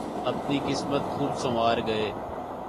اپنی قسمت خوب سنوار گئے۔